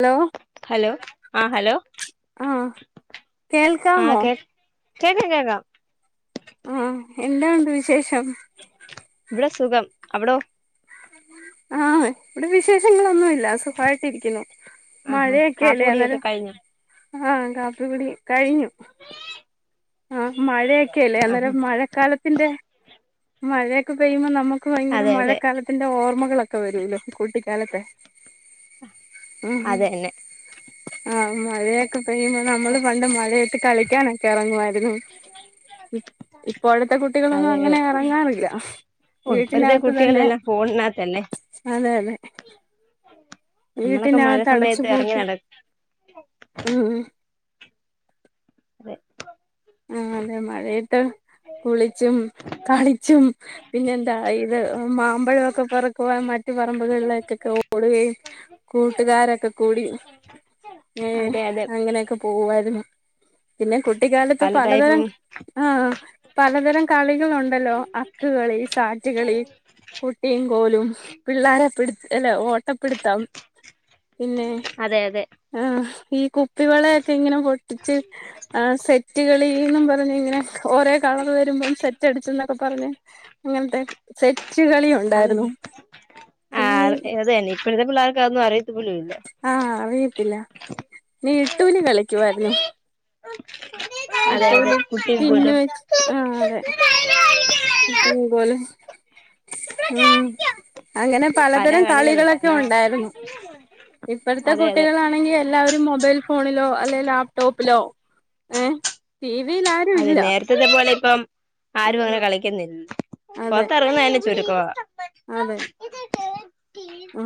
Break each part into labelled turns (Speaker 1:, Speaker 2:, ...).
Speaker 1: Hello
Speaker 2: hello ആഹ് hello
Speaker 1: ആഹ് കേൾക്കാമോ
Speaker 2: ആഹ് കേ കേക്കാ കേക്കാം
Speaker 1: ആഹ് എന്നാ ഒണ്ട് വിശേഷം
Speaker 2: ഇവിടെ സുഖം അവിടോ
Speaker 1: ആഹ് ഇവിടെ വിശേഷങ്ങളൊന്നും ഇ ല്ലാ സുഖായിട്ടിരിക്കുന്നു
Speaker 2: ആഹാ
Speaker 1: മഴയൊക്കെല്ലേ
Speaker 2: കാപ്പുടിയൊക്കെ
Speaker 1: അന്നേരം
Speaker 2: കഴിഞ്ഞോ
Speaker 1: ആഹ് കാപ്പികുടി കഴിഞ്ഞു ആഹ് മഴയ ക്കെല്ലേ
Speaker 2: ആഹാ
Speaker 1: അന്നേരം മഴക്കാലത്തിന്റെ മഴ ഒക്കെ പെയ്യുമ്പോ നമ്മു ക്ക് ഭയങ്കര
Speaker 2: അതെ അതെ
Speaker 1: മഴക്കാലത്തിന്റെ ഓർമ്മകളൊക്കെ വരൂല്ലോ കൂട്ടിക്കാലത്തെ
Speaker 2: അതെന്നെ
Speaker 1: ആഹ് മഴയൊക്കെ പെയ്യുമ്പോ നമ്മള് പണ്ട് മഴയത്ത് കളി ക്കാനൊക്കെറുവാ [unintelligible] ഇപ്പോഴത്തെ കുട്ടികളൊന്നും
Speaker 2: അതെ
Speaker 1: അങ്ങനെ
Speaker 2: അതെ
Speaker 1: എറങ്ങാറില്ല
Speaker 2: ഓ ഇപ്പഴത്തെ
Speaker 1: വീട്ടിനകത്ത് തന്നെ
Speaker 2: കുട്ടികളെല്ലാം ഫോണിനകത്തല്ലേ
Speaker 1: അതെ അതെ
Speaker 2: നമ്മളൊക്കെ മഴ
Speaker 1: വീട്ടിനകത്ത്
Speaker 2: സമയത്ത് ഇറങ്ങി
Speaker 1: അടച്ചുപൂട്ടി
Speaker 2: നടക്ക
Speaker 1: ഉം
Speaker 2: അതെ
Speaker 1: ആ അതെ മഴയത്ത് കുളിച്ചും കളിച്ചും പിന്നെന്താ [unintelligible] മാമ്പഴമൊക്കെ പറക്കുവാൻ മറ്റു പറമ്പുകളിലേക്കൊക്കെ ഓടുകയും കൂട്ടുകാരൊക്കെ കൂടി ഏ
Speaker 2: അതെ അതെ
Speaker 1: അങ്ങനെയൊക്കെ പോവുവായിരുന്നു പിന്നെ കുട്ടിക്കാല
Speaker 2: പല
Speaker 1: പലതരം
Speaker 2: ടൈപ്പും
Speaker 1: ആ പലതരം കളികളുണ്ടല്ലോ അക്ക് കളി സാറ്റ്കളി കുട്ടിയും കോലും പിള്ളേരെപ്പിട് ഇല്ലെ ഓട്ടപ്പിടുത്തം പിന്നെ
Speaker 2: അതെ അതെ
Speaker 1: ആഹ് ഈ കു പ്പി വളയൊക്കെ ഇങ്ങനെ പൊട്ടിച്ച് ആ സെ സെറ്റ്കളീന്നും പറഞ്ഞിങ്ങനെ ഒരേ കളർ വരുമ്പം സെറ്റ് റ്റടിച്ച് എന്നൊക്കെ പറഞ്ഞ് അങ്ങനത്തെ സെറ്റ് കളി
Speaker 2: അൻ
Speaker 1: ഉണ്ടായിരുന്നു
Speaker 2: ആ
Speaker 1: പിന്നെ ഈ
Speaker 2: അത് തന്നെ ഇപ്പോഴത്തെ പിള്ളേർക് ക്കൊന്നും അത് അറിയത്
Speaker 1: ആഹ് അറിയത്തില്ല നീ ഇട്ടുന് കളിക്കുവായിരുന്നു
Speaker 2: ഓക്കേ
Speaker 1: ഇട്ടൂലി പിന്ന് വെച് ആഹ് അതെ [unintelligible] ഉം അങ്ങനെ
Speaker 2: പല
Speaker 1: പലതരം
Speaker 2: കളികളുണ്ട്
Speaker 1: കളികളൊക്കെ
Speaker 2: എന്നാ
Speaker 1: ഒണ്ടായിരുന്നു ഇപ്പോഴത്തെ
Speaker 2: അതെ അതെ
Speaker 1: കുട്ടികളാണെങ്കിൽ എല്ലാവരും മൊബൈൽ ഫോണിലോ അല്ലെ ലാപ്ടോപ്പിലോ ഏഹ് ടി വിയിൽ ആരും
Speaker 2: അതെ
Speaker 1: ഇല്ല
Speaker 2: നേരത്തത്തെ പോലെ ഇപ്പം ആരും
Speaker 1: ഉം
Speaker 2: അങ്ങനെ കളിക്കുന്നില്ല
Speaker 1: അതെ
Speaker 2: പൊറത്തിറങ്ങുന്നന്നെ ചുരുക്കവാ
Speaker 1: അതെ ആ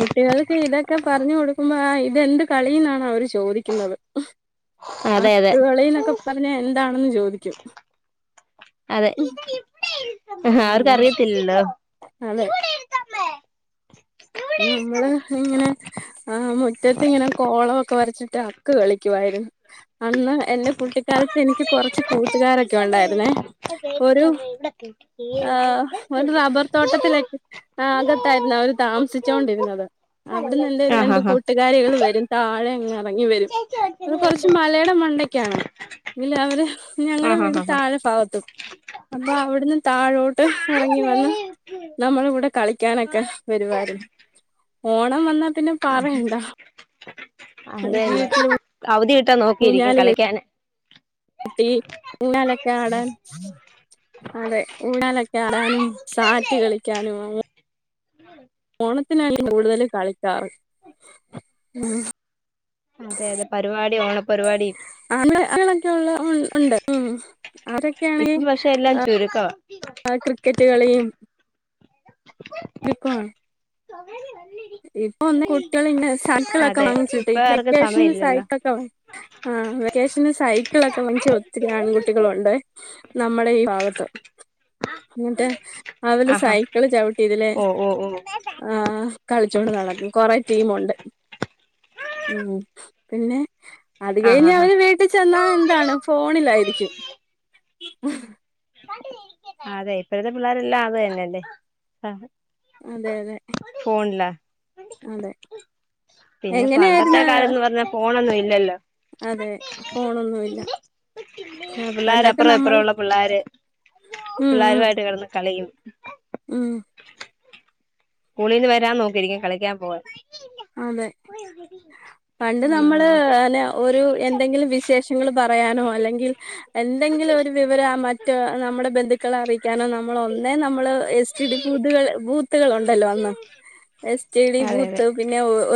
Speaker 1: കുട്ടികൾക്ക് ഇതൊക്കെ പറഞ്ഞു കൊടുക്കുമ്പോ ആ ഇത് ഇതെന്ത് കളീന്നാണ് അവര് ചോദിക്കുന്നത്
Speaker 2: അതെ അതെ
Speaker 1: അക്കുകളിന്നൊക്കെ പറഞ്ഞാ എന്താണെന്ന് ചോദിക്കു [inaudible]
Speaker 2: അതെ അവർക്ക്
Speaker 1: ഉം
Speaker 2: അറിയത്തില്ലല്ലോ
Speaker 1: അതെ നമ്മള് ഇങ്ങനെ ആഹ് മുറ്റത്ത് ഇങ്ങനെ കോളൊവൊക്കെ ക്കെ വരച്ചിട്ട് അക്ക് കളിക്കുവായിരുന്നു അന്ന് എന്റെ കുട്ടിക്കാലത്ത് എനിക്ക് കുറച്ച് കൂട്ടു കൂട്ടുകാരൊക്കെ ഒണ്ടായിരുന്നേ ഒരു ആഹ് ഒരു റബർ തോട്ടത്തിലക്ക് ആ ആകത്തായിരുന്നു അവര് താമസിച്ച് ച്ചൊണ്ടിരുന്നത് അവിടന്ന് എന്റെ
Speaker 2: ആഹ്
Speaker 1: രണ്ട്
Speaker 2: ആഹ്
Speaker 1: കൂട്ടുകാരികൾ വരും താഴെ അങ്ങ് ഇറങ്ങി വരും അത് കുറച്ച് മലയുടെ മണ്ടക്കാണ് എങ്കിലും അവര് ഞങ്ങളടെ
Speaker 2: ആഹ്
Speaker 1: വീട്
Speaker 2: ആഹ്
Speaker 1: താഴെ ഫാഗത്തും അപ്പൊ അവിടുന്ന് താഴോട്ട് ഇറങ്ങി വന്ന് നമ്മള് ഇവിടെ ക ക്കാനൊക്കെ വരുവായിരുന്നു ഓണം വന്നാ പിന്നെ പറയണ്ട
Speaker 2: അതെന്നെ
Speaker 1: വീട്ടില്
Speaker 2: അവധി കിട് ട്ട നോക്കിയിരിക്കും കളിക്കാന്
Speaker 1: ട്ടി ഊഞ്ഞാലൊക്കെ ആടാൻ അതെ ഊഞ്ഞാലൊക്കെ ആടാനും സാറ്റ് കളിയ്ക്കാനും അ
Speaker 2: ഇന്നലെ
Speaker 1: ഓണത്തിനല്ലെ കൂടുതല് കളിയ്ക്കാറ് ഉം
Speaker 2: അതെ അതെ പരുവാടി ഓണപരുവാടി
Speaker 1: [unintelligible]
Speaker 2: ഇപ്പം പക്ഷെ എല്ലാം ചുരുക്കവാ
Speaker 1: ആ ക്രിക്കറ്റ് കളിയും
Speaker 2: [inaudible]
Speaker 1: വിക്കൊ
Speaker 2: സ [unintelligible]
Speaker 1: ഇപ്പൊ ഒന്ന് കുട്ടികൾ ഇന്നെ സൈക്കിളൊക്കെ
Speaker 2: അതെ
Speaker 1: വാങ്ങിച്ചിട്ടെ
Speaker 2: ഇപ്പ ആർക്കും സമയം
Speaker 1: വെക്കേഷന്
Speaker 2: ഇല്ലല്ലോ
Speaker 1: സൈക്കിളൊക്കെ വാങ്ങി ആ വെ വേക്കേഷന് സൈക്കിളൊക്കെ വാങ്ങിച്ച് ഒത്തിരി ആൺകുട്ടികളുണ്ട് നമ്മടെ ഈ ഭാഗത്ത് എന്നിട്ട് അവര്
Speaker 2: ആഹാ
Speaker 1: സൈക്കിള് ചവിട്ടിതിലെ
Speaker 2: ഓ ഓ ഓ
Speaker 1: ആഹ് കളിച്ചോണ്ട് നടക്കും കൊറെ ടീമൊണ്ട് ഉം പിന്നെ അത്
Speaker 2: ആഹ്
Speaker 1: കഴിഞ്ഞ്
Speaker 2: ആഹ്
Speaker 1: അവര് വീട്ടിൽ ചെന്നാ എന്താണ് ഫോണിലായിരിക്കും ഉ
Speaker 2: അതെ ഇപ്പഴത്തെ പിള്ളേരെല്ലാം അത് തന്നെല്ലേ ആ
Speaker 1: അതെ അതെ
Speaker 2: കൊണ്ടില്ല
Speaker 1: അതെ
Speaker 2: പിന്നെ പണ്ടത്തെ
Speaker 1: എങ്ങനെയായിരുന്നു
Speaker 2: കാലം എന്ന് പറഞ്ഞ ഫോൺഒന്നുവി ഇല്ലല്ലോ
Speaker 1: അതെ ഫോണൊന്നുയില്ല പണ്ടൊക്കെ നമ്മള് ഉം ഉം
Speaker 2: പിള്ളേരുവായിട്ട് കെടന്ന് കളിയും
Speaker 1: ഉം
Speaker 2: സ്കൂളീന്ന് വരാൻ നോക്കിയിരിക്കും കളിക്കാൻ പോവാൻ
Speaker 1: അതെ പണ്ട് നമ്മള്
Speaker 2: ആഹ്
Speaker 1: അന്നെ ഒരു എന്തെങ്കിലും വിശേഷങ്ങള് പ റയാനോ അല്ലെങ്കിൽ എന്തെങ്കിലും ഒരു വിവരം ആ മറ്റ് റ്റെ നമ്മ്ടെ ബന്ധുക്കളെ അറിയിക്കാനോ നമ്മള് ഒന്നേ നമ്മള് എസ്. ടി. ഡി ബൂത്ത്കള് ബൂത്തുകളൊണ്ടല്ലോ അന്ന് എസ്. ടി. ഡി
Speaker 2: അതെ അതെ
Speaker 1: ബൂത്ത്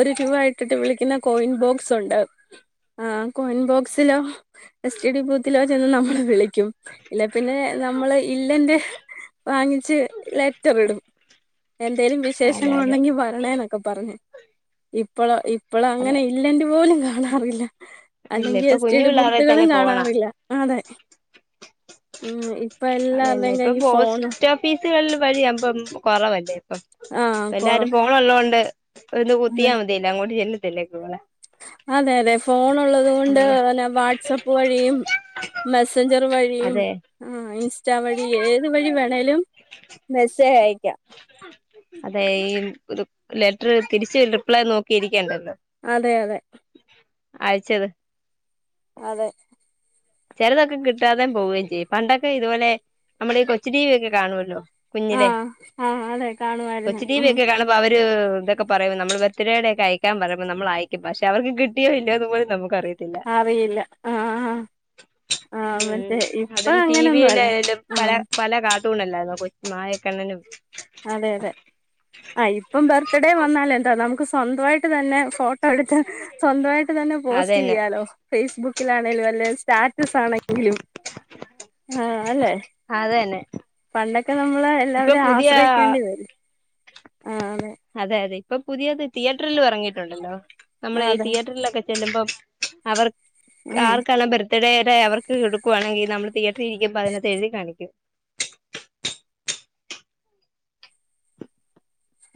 Speaker 1: ഒരു രൂപ ഇട്ടിട്ട് വിളിക്കുന്ന കോയിൻ ബോക്സ് ഒണ്ട് ആ കോയിൻ ബോക്സിലോ എസ് ടി ഡി ബൂത്തിലോ ചെന്ന് നമ്മള് വിളി ക്കും ഇല്ല പിന്നെ നമ്മള് ഇല്ലന്റെ വാങ്ങിച്ച് ലെറ്റർ ഇടും. എന്തേലും
Speaker 2: അതെ അതെ
Speaker 1: വിശേഷങ്ങളൊണ്ടെങ്കിൽ വരണേ എന്നൊക്കെ പറഞ്ഞ് ഇപ്പളൊ ഇ ഇപ്പെളൊ
Speaker 2: അതെ
Speaker 1: അങ്ങനെ ഇല്ലന്റെ പോലും കാണ അതറിയില്ല
Speaker 2: ഇല്ല
Speaker 1: അല്ലെങ്കിൽ
Speaker 2: ഇപ്പൊ
Speaker 1: എസ് ടി
Speaker 2: കുഞ്ഞു
Speaker 1: ഡി
Speaker 2: പിള്ളേരെ
Speaker 1: ബൂത്തുകളും
Speaker 2: തന്നെ ഫോണാ
Speaker 1: കാണാറില്ല അതെ ഉ ഇപ്പ എല്ലാരുടെയും കൈയിൽ ഫോൺ ഒ
Speaker 2: വിൽ വഴിയാകുമ്പം കുറവല്ലേ അ ഇപ്പം
Speaker 1: ആഹ്
Speaker 2: എല്ലാരും
Speaker 1: കൊറവ്
Speaker 2: ഫോൺ ഒള്ളോകൊണ്ട് ഒന്ന്
Speaker 1: അതെ
Speaker 2: കുത്തിയാൽ മതിയല്ലോ അങ്ങോട്ട് ചെല്ലും [unintelligible]
Speaker 1: അതെ അതെ ഫോൺ ഒള്ളത് കൊണ്ട് വാട്സപ്പ് വഴിയും മെസഞ്ചർ വഴി യും
Speaker 2: അതെ
Speaker 1: ആ ഇൻസ്റ്റാ വഴി ഏത് വഴി വേണേലും മെസ്സേജ് അയ
Speaker 2: അതെ ഈ ലെത്രിയിൽ തിരിച്ച് റിപ്ലൈ നോക്കിയിരി ഇണ്ടല്ലോ
Speaker 1: അതെ അതെ
Speaker 2: അയച്ചത്
Speaker 1: അതെ
Speaker 2: ചെലതൊക്കെ കിട്ടാതെ പോവുകയും ചെയ്യും പണ്ടൊക്കെ ഇതുപോലെ നമ്മൾ ഈ കൊച്ചു ടി വി ഒക്കെ കാണുവല്ലോ
Speaker 1: ആ
Speaker 2: കുഞ്ഞിലെ
Speaker 1: ആ അതെ കാണുവായിരുന്നു
Speaker 2: കൊച്ചു ടി വി
Speaker 1: ഉ
Speaker 2: ഒക്കെ കാണുമ്പോ അവര് ഇതൊക്കെ പറയുമ്പോ നമ്മൾ ബർത്ത്ഡേയുടെ ഒക്കെ അയക്കാൻ പറയുമ്പോ നമ്മൾ അയക്കും പക്ഷെ അവർക്ക് കിട്ടിയോ ഇല്ലയന്ന് പോലെ നമുക്ക്
Speaker 1: ആറിയില്ല ആഹ ഹ
Speaker 2: ഉം അതും ടി
Speaker 1: അങ്ങനൊന്നും അല്ല
Speaker 2: വിയിലായാലും പല
Speaker 1: ആഹ്
Speaker 2: പല കാർട്ടൂൺ അല്ലായിരുന്നു മായക്കെണ്ണനും
Speaker 1: അതെ അതെ ആ ഇപ്പം ബർത്ത്ഡേ വന്നാല എന്താ നമുക്ക് സ്വന്തമായിട്ട് തന്നെ ഫോട്ടോ അവിടുത്തെ സ്വന്തമായിട്ട് തന്നെ പോസ്റ്റ്
Speaker 2: അതന്നെ
Speaker 1: ചെയ്യാലോ ഫേസ്ബുക്ക് ണേലും സ്റ്റാറ്റസ് ആണെങ്കിലും ആ അല്ലെ
Speaker 2: അതന്നെ
Speaker 1: പണ്ടൊക്കെ നമ്മള്
Speaker 2: ഇപ്പൊ
Speaker 1: എല്ലാവരും
Speaker 2: പുതിയ
Speaker 1: ആശ്രയിക്കേണ്ടി വരും
Speaker 2: അതെ അതെ ഇപ്പൊ പുതിയത് തിയേറ്ററിൽ ഇറങ്ങിയിട്ടുണ്ടല്ലോ നമ്മള് ഈ
Speaker 1: അതെ
Speaker 2: തിയേറ്ററിലൊക്കെ ചെല്ലുമ്പോ അവർ
Speaker 1: ഉം
Speaker 2: ആർ കാലബര ഇത്തിടെരെ അവർക്ക് എടുക്കുവാണെങ്കിൽ നമ്മള് തിയേറ്ററിൽ ഇരിക്കുമ്പ അതിനെത്തെ എഴുതി കാണിക്കും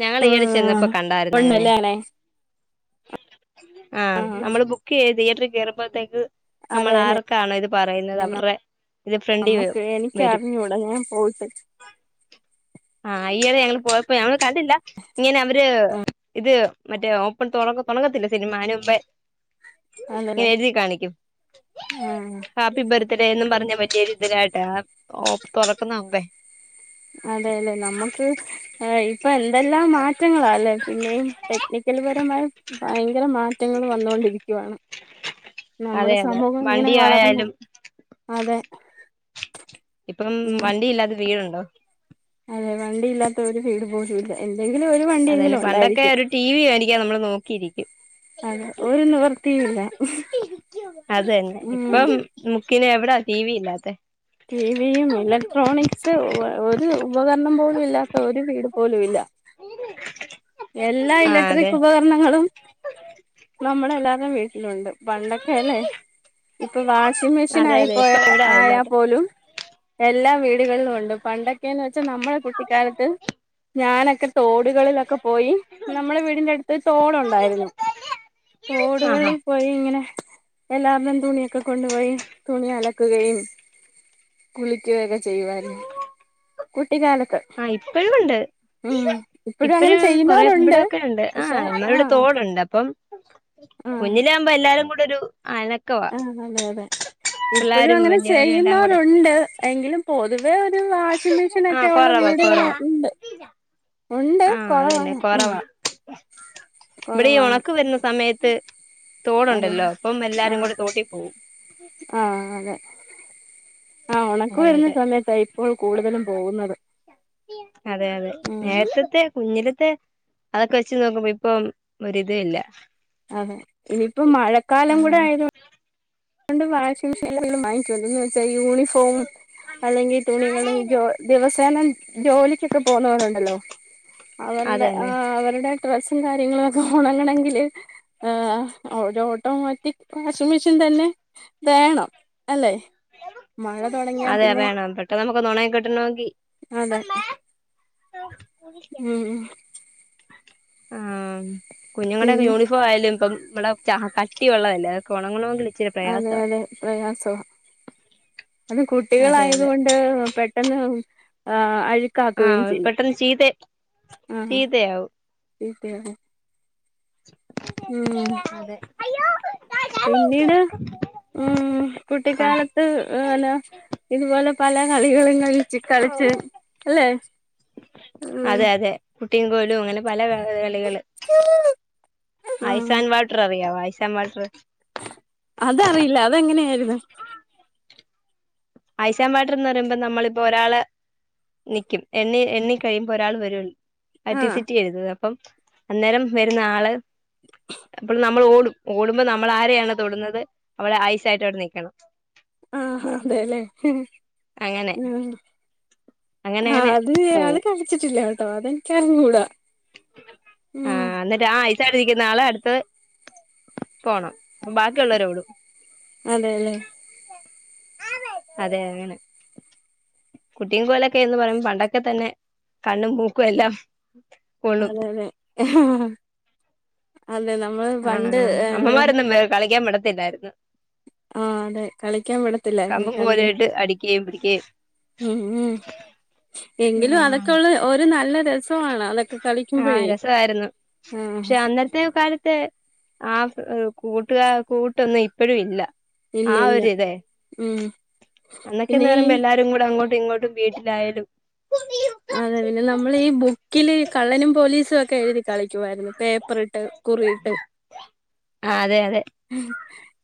Speaker 2: ഞങ്ങൾ ഈട ചെന്നപ്പോ കണ്ടായിരുന്ന അങ്ങനെ ഉ ആ നമ്മള് ബുക്ക് ചെയ്ത് [unintelligible] മ്പത്തേക്ക് നമ്മൾ
Speaker 1: അതെല്ലേ
Speaker 2: ആർക്ക്ണോ ഇത് പറയുന്നത് അവരുടെ ഇത് ഫ്രണ്ടി
Speaker 1: നമ്മക്ക് എനിക്ക്
Speaker 2: വരും
Speaker 1: അറിഞ്ഞൂടാ ഞാൻ പോയിട്ട്
Speaker 2: ആഹ് യിടെ ഞങ്ങള് പോയപ്പോ ഞങ്ങൾ കണ്ടില്ല ഇങ്ങനെ അവര്
Speaker 1: ആ
Speaker 2: ഇത് മറ്റേ ഓപ്പൺ തോറ തുടങ്ങത്തില്ലേ സിനിമ അതിനുമുന്പേ
Speaker 1: അതെല്ലേ
Speaker 2: ങ്ങനെ എഴുതി കാണിക്കും
Speaker 1: ആ
Speaker 2: ഹാപ്പി ബർത്ത്ഡേ എന്നും പറഞ്ഞ പറ്റിയൊരു ഇതടാ തുറക്കുന്ന മുൻപേ
Speaker 1: ആ തെല്ലെ നമ്മുക്ക് ഏ ഇപ്പൊ എന്തെല്ലാം മാറ്റങ്ങളാല്ലേ. പിന്നെയും ടെക്നിക്കൽപരമായി ഭയങ്കര മാറ്റങ്ങൾ വന്നൊണ്ടിരിക്കുവാണ്
Speaker 2: അതെ
Speaker 1: നമ്മുടെ
Speaker 2: അതെ
Speaker 1: സമൂഹം ഇങ്ങനെ
Speaker 2: വണ്ടി
Speaker 1: വളർന്നു
Speaker 2: ആയാലും
Speaker 1: അതെ
Speaker 2: ഇപ്പം
Speaker 1: ഉം
Speaker 2: വണ്ടി ഇല്ലാത്ത വീടു ണ്ടോ
Speaker 1: അതെ വണ്ടി ഇല്ലാത്
Speaker 2: അതന്നെ പണ്ടൊക്കെ
Speaker 1: ഉണ്ടായിരിക്കും
Speaker 2: ഒരു ടി വി വെടിക്കാൻ നമ്മള് നോക്കിയിരിക്
Speaker 1: അതെ ഒരു നിവർത്തിയുമില്ല
Speaker 2: അതന്നെ
Speaker 1: ഉം
Speaker 2: ഇപ്പം കിന്നെ എവിടാ ടിവി ഇല്ലാത്തെ
Speaker 1: ടീ വി യും ഇലക്ട്രോണിക്സ് ഒരു ഉപകരണം പോലും ഇല്ലാത്ത ഒരു വീടും പോലുല്ല എല്ലാ
Speaker 2: ആഹ് അതെ
Speaker 1: ഇലക്ട്രിക് ഉപകരണങ്ങളും നമ്മടെ എല്ലാരുടെ വീട് ലുണ്ട് പണ്ടൊക്കെ അല്ലേ ഇപ്പൊ വാഷിംഗ മെഷീൻ
Speaker 2: അതെ അതെ
Speaker 1: ആയിപ്പോയ
Speaker 2: ഇപ്പൊ എവിടാ
Speaker 1: ആയാൽ
Speaker 2: ഇല്ലാത്തെ
Speaker 1: പോലും എല്ലാ വീടുകളിലും ഉണ്ട് പണ്ടക്കെന്ന്- വച്ച് നമ്മടെ കുട്ടിക്കാലത്ത് ഞാനൊക്കെ തോടുകളിലൊക്കെ പോയി നമ്മുടെ വീടിന്റെ അടുത്ത് തോടുണ്ടായിരുന്നു
Speaker 2: ആഹാ
Speaker 1: തോടുകളിൽ പോയി ഇങ്ങനെ എല്ലാവരുടെ തുണിയൊക്കെ കൊണ്ടുപോയി തുണി അലക്കുകയും കുളിക്കുകയൊക്കെ ചെയ്യുവായിരുന്നു കുട്ടിക്കാലത്ത്
Speaker 2: ആഹ് ഇപ്പഴുമുണ്ട്
Speaker 1: ഉം ഇപ്പോഴും അങ്ങനെ
Speaker 2: ഇപ്പഴും കുറേ
Speaker 1: ചെയ്യുന്നവരുണ്ട്
Speaker 2: എവിടെയൊക്കെ ഉണ്ട് ആഹ്
Speaker 1: പക്ഷെ
Speaker 2: എന്നാലും ഇവിടെ
Speaker 1: ആഹ്
Speaker 2: തൊടുണ്ട് അപ്പം കുഞ്ഞിലാവുമ്പോ എല്ലാരും കൂട് ഇപ്പൊരു
Speaker 1: ആ അതെ അതെ ഇപ്പോഴും
Speaker 2: പിള്ളാരും
Speaker 1: അങ്ങനെ
Speaker 2: വലിയവരും എല്ലാം കൂടെ
Speaker 1: ചെയ്യുന്നവരുണ്ട് എങ്കിലും പൊ തുവേ ഒ- രു വാഷിംഗ്
Speaker 2: ആ
Speaker 1: മെഷിനൊക്കെ ഉള്ള
Speaker 2: കൊറവാ
Speaker 1: വീടുകൾ
Speaker 2: കൊറവാ
Speaker 1: ഉണ്ട് ഉണ്ട്
Speaker 2: ആ
Speaker 1: കുറവാ
Speaker 2: അതന്നെ
Speaker 1: ഉം
Speaker 2: കൊറവാ ഇവിടെ ഈ
Speaker 1: കൊറവാണ്
Speaker 2: ഉണക്ക് വരുന്ന സമയത്ത് തോടുണ്ടല്ലോ അപ്പം എല്ലാരും കൂടെ തോട്ടി പോവും
Speaker 1: ആ ഉണക്ക്
Speaker 2: അതെ
Speaker 1: വരുന്ന
Speaker 2: അതെ
Speaker 1: സമയത്ത് ആ ഇപ്പോൾ കൂടുതലും പോകുന്നത്
Speaker 2: അതെ അതെ
Speaker 1: ഉം
Speaker 2: നേരത്തത്തെ കുഞ്ഞിലത്തെ അതൊക്കെ വെച്ച് നോക്കുമ്പ ഇപ്പം ഒരിതേ ഇല്ല
Speaker 1: അതെ ഇനിയിപ്പോ മഴക്കാലം
Speaker 2: ആ
Speaker 1: കൂടെ ആയത് കൊ കൊണ്ട് വാഷിംഗ് മെഷീനിലും യി ചെല ദിവസായി യൂണിഫോം അല്ലെങ്കിൽ തുണികള് ജോ ദിവസേന ജോലിക്കൊക്കെ പോവുന്നവർ ഉണ്ടല്ലോ അതല്ല ആ
Speaker 2: അതന്നെ
Speaker 1: അവരുടെ ഡ്രെസ്സും കാര്യങ്ങളും ഒക്കെ ഒണങ്ങണമെങ്കിൽ ആഹ് ഓട്ടോമാറ്റിക് വാഷിംഗ മെഷീൻ തന്നെ വേണം അല്ലെ മഴ തുടങ്ങിയാ
Speaker 2: അതെ
Speaker 1: പിന്നെ
Speaker 2: വേണം പെട്ടെന്ന് നമുക്കൊന്ന് ഒണങ്ങി
Speaker 1: അതെ
Speaker 2: ഉം
Speaker 1: ഉം ഉം
Speaker 2: ആം കുഞ്ഞുങ്ങളുടെ ഒക്കെ
Speaker 1: പിന്നെ
Speaker 2: യൂണിഫോം ആയാലും ഇപ്പം വടെ ച കട്ടി ഉള്ളതല്ലേ അക്കെ ഓണങ്ങണോങ്കില്
Speaker 1: അതെ അതെ പ്രയാസവ അത്
Speaker 2: അതെ
Speaker 1: കുട്ടികളായത്
Speaker 2: അതെ
Speaker 1: കൊണ്ട് പെട്ടെന്ന് ആ അഴ്
Speaker 2: ആ പെട്ടെന്ന് ചീത്ത ചീത്തയാവും
Speaker 1: ചീത്തയാവും ഉം
Speaker 2: അതെ
Speaker 1: പിന്നീട് ഉം
Speaker 2: ആ
Speaker 1: കുട്ടിക്കാലത്ത് ല ഇതുപോലെ പല കളികളും കളിച്ച് കളിച്ചെ അല്ലെ ഉം
Speaker 2: അതെ അതെ കുട്ടിം കോൽ ലും അങ്ങനെ പലകളികള്
Speaker 1: ഉം
Speaker 2: ഐസാന്റ് വാട്ടർ അറിയൊ ഐ ൻ വാട്ടറ്
Speaker 1: അതറിയില്ല അതെങ്ങനെയായിര്ന്ന്
Speaker 2: ഐസാം വാട്ടർ എന്ന് പറയുമ്പോ നമ്മളിപ്പോ ഒരാള് നിക്കും എണ്ണി എണ്ണ കഴിയുമ്പോ ഒരാൾ വരു ആ
Speaker 1: ആഹ്
Speaker 2: ടിസിറ്റി എഴുതുവേ അ പ്പം അന്നേരം വരുന്ന ആള് അപ്പോൾ നമ്മൾ ഓടും ഓടുമ്പോ നമ്മൾ ആരെയാണൊ തൊടുന്നത് അവള് ഐസായിട്ട് അവിടെ നിക്കണം
Speaker 1: ആ ആ അതേല്ലേ
Speaker 2: അങ്ങനെ
Speaker 1: ഉം
Speaker 2: അങ്ങനെ
Speaker 1: ആ
Speaker 2: അങ്ങനെ
Speaker 1: അത് അത്
Speaker 2: പോവും
Speaker 1: കളിച്ചിട്ടില്ലട്ടോ അത എനിക്കർഞ്ഞൂടാ
Speaker 2: ആ ന്നിട്ട് ആ ടുത്താരിക്കുന്നെ ആള് അടുത്തെത് പോണം ബാക്കിയള്ളവരെവിട
Speaker 1: അതെല്ലേ
Speaker 2: അതെ അങ്ങനെ കുട്ടിം കോലും ന്നൊക്കെ പറയുമ്പം പണ്ടൊക്കെ തന്നെ കണ്ണും മൂക്കും എല്ലാം എല്ലാം
Speaker 1: അതെ അതെ ആ
Speaker 2: ആ അമ്മമാരൊന്നുംകളിക്കാ വിട ത്തില്ലായിരുന്നു-
Speaker 1: ആഹ് അതെ കളിക്കാൻ
Speaker 2: കമ്പും കോലും ഇട്ട് അടിക്കുകയും പിടിക്കുകയും
Speaker 1: എങ്കിലും അതൊക്കെള്ള ഒരു നല്ല രസമാണ്. അതൊക്കെ
Speaker 2: ആഹ
Speaker 1: കളിക്കുമ്പോഴേ
Speaker 2: രസമായിരുന്നു
Speaker 1: ആഹ്
Speaker 2: പക്ഷെ അന്നത്തെ കാലത്ത് ആ കൂട്ടുകാ കൂട്ടൊന്നും ഇപ്പൊയൊന്നും ഇല്ല
Speaker 1: ഇല്ല
Speaker 2: ആ
Speaker 1: ഇല്ല
Speaker 2: ഒരിതെ
Speaker 1: ഉം
Speaker 2: അന്നൊക്കെന്ന്
Speaker 1: പിന്നെ ഈ
Speaker 2: പറയുമ്പോ എല്ലാരും കൂടെ അങ്ങോട്ട് ഇങ്ങോട്ടും വീട്ടിലായാലും
Speaker 1: അതെ പിന്നെ നമ്മള് ഈ ബുക്കില് കള്ളനും പോലീസും ഒക്കെ എഴുതി കളിക്കുവായിരുന്നു പേപ്പറി ഇട്ട് കുറിയിട്ട്
Speaker 2: ആ അതെ അതെ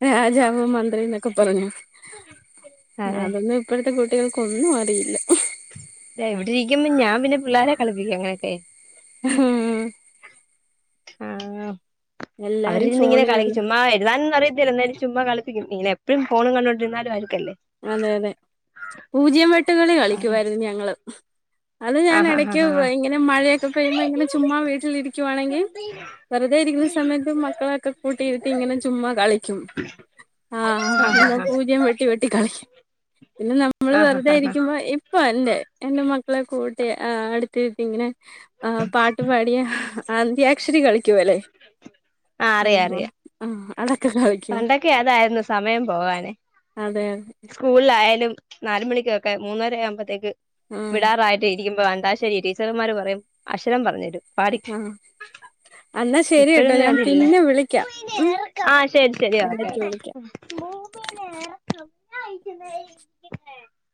Speaker 1: രാജാവോ മന്ത്രി എന്നൊക്കെ പറഞ്ഞു
Speaker 2: അതെ
Speaker 1: അതൊന്നും ഇപ്പൾത്തെ കുട്ടി കുട്ടികൾക്കൊന്നും അറിയില്ല
Speaker 2: എവിടെ ഇരിക്കുമ്പ ഞാൻ പിന്നെ പിള്ളേരെ കളിപ്പിക്കും ഇങ്ങനൊക്കെ
Speaker 1: ഉം
Speaker 2: ആഹ
Speaker 1: എല്ലാരും
Speaker 2: അവരിരുന്ന് ഇങ്ങനെ കളിക്കും
Speaker 1: ഫോണിലല്ലേ
Speaker 2: ചുമ്മാ എഴുതാനൊന്നും അറിയത്തില്ല എന്താലും ചുമ്മാ കള ഇങ്ങന എപ്പോഴും ഫോൺ കണ്ടോണ്ടിരുന്നലും അരിക്കല്ലേ
Speaker 1: അതെ അതെ പൂജ്യം വെട്ടുകളി
Speaker 2: ആഹ്
Speaker 1: കളിക്കുവായിരുന്നു ഞങ്ങൾ അത് ഞാൻ
Speaker 2: ആഹ്
Speaker 1: ഇടയ്ക്ക്
Speaker 2: ആഹ് ആഹ്
Speaker 1: ഇങ്ങനെ മഴയൊക്കെ പെയ്യുമ്പോ ഇങ്ങനെ ചുമ്മാ വീട്ടിലിരിക്കുവാണെങ്കിൽ വെറുതെ ഇരിക്കുന്ന സമയത്ത് മക്കളൊക്കെ കൂട്ടിയിരുത്തി ഇങ്ങനെ ചുമ്മാ കളിക്കും ആ
Speaker 2: ആഹ് ആഹ്
Speaker 1: എന്നാ
Speaker 2: ആഹ്
Speaker 1: പൂജ്യം വെട്ടി വെ പിന്നെ നമ്മള്
Speaker 2: ആഹ് ആഹ്
Speaker 1: വെറുതെ
Speaker 2: ആഹ്
Speaker 1: ഇരിക്കുമ്പോ ഇപ്പ അല്ലെ എൻ്റെ മക്കളെ കൂട്ട ആ അടുത്തിത്തി ഇങ്ങനെ ആ പാട്ട് പാടിയ അന്ത്യാക്ഷരി കളിക്കുവല്ലേ
Speaker 2: ആഹ് അറിയാം
Speaker 1: ആഹ
Speaker 2: അറിയാം
Speaker 1: ആഹ ഉം
Speaker 2: പണ്ടൊക്കെ അതായിരുന്നു സമയം പോവാന്
Speaker 1: അതെ അതെ
Speaker 2: സ്കൂൾ ലായാലും നാല് മണിക്കൊക്കെ മൂന്നര ആവുമ്പാതെക്ക്
Speaker 1: ആഹ്
Speaker 2: വിടാറായിട്ട് ഇരിക്കുമ്പ അ ശരി ടീച്ചർമാർ പറയും അക്ഷരം പറഞ്ഞ തരും പഠി
Speaker 1: ആഹ് എന്നാ ശരി കേട്ടോ
Speaker 2: ഇപ്പഴൊന്നും
Speaker 1: ഞാൻ
Speaker 2: അതില്ല
Speaker 1: പിന്നെ വിളിക്കാം ഉം
Speaker 2: ആ ശരി
Speaker 1: ഇടക്ക് വിളിക്കാം
Speaker 2: [unintelligible] [unintelligible]